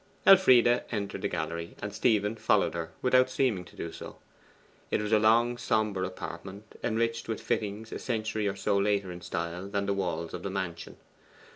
Elfride entered the gallery, and Stephen followed her without seeming to do so. It was a long sombre apartment, enriched with fittings a century or so later in style than the walls of the mansion.